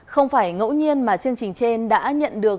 không phải ngẫu nhiên mà chương trình trên đã nhận được